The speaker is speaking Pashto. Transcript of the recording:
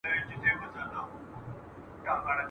نو به ښه وي چي پیدا نه کړې بل ځل خر !.